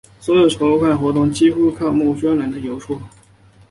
所有的筹款活动几乎全靠募款人的游说。